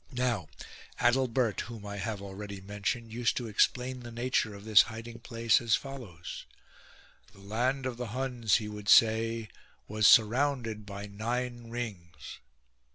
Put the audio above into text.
Now Adalbert, whom I have already mentioned, used to explain the nature of this hiding place as follows :—" The land of the Huns," he would say, " was surrounded by nine rings."